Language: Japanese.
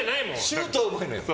シュートはうまいのよ。